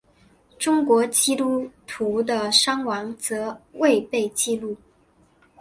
中国基督徒的伤亡则未被记录。